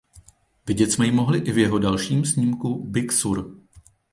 Vidět jsme ji mohli i v jeho dalším snímku "Big Sur".